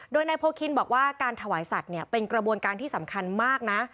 โดยนายโพคินบอกว่าการถวายสัตว์เป็นกระบวนการที่สำคัญมากนะ